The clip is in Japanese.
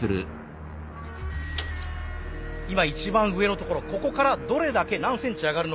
今一番上の所ここからどれだけ何センチ上がるのか。